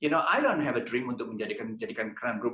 saya tidak punya mimpi untuk menjadikan crown group